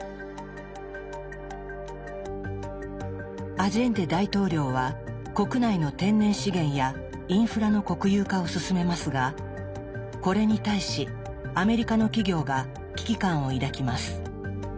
アジェンデ大統領は国内の天然資源やインフラの国有化を進めますがこれに対しアメリカの企業が危機感を抱きます。